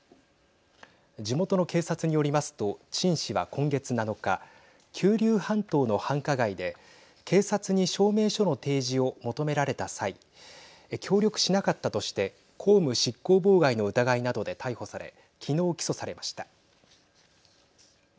地元の警察によりますと陳氏は今月７日九龍半島の繁華街で警察に証明書の提示を求められた際協力しなかったとして公務執行妨害の疑いなどで逮捕され昨日、起訴されました。